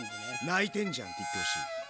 泣いてんじゃんって言ってほしい。